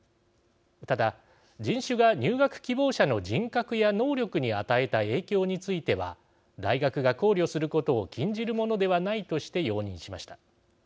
ただ、人種が入学希望者の人格や能力に与えた影響については大学が考慮することを禁じるものではないとして容認しました。